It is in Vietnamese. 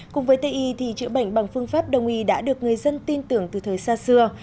cùng với ti thì chữa bệnh bằng phương pháp đồng y đã được người dân tin tưởng từ thời xa xưa